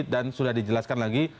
dan sudah dijelaskan lagi